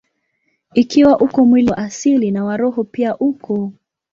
Ikiwa uko mwili wa asili, na wa roho pia uko.